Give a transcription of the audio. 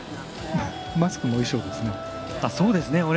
マスクも衣装ですね。